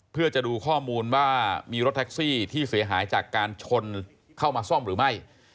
เพื่อจะดูข้อมูลว่ามีรถแท็กซี่ที่เสียหายจากการชนเข้ามาซ่อมหรือไม่